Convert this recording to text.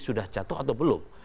sudah jatuh atau belum